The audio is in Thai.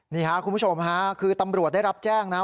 นี่ครับคุณผู้ชมฮะคือตำรวจได้รับแจ้งนะ